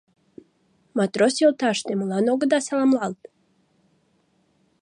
— Матрос йолташ, те молан огыда саламлалт?!